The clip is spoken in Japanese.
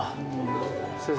先生。